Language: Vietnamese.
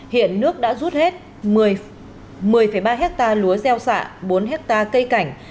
hiện nước đã rút hết một mươi ba ha lúa gieo xạ bốn ha cây cảnh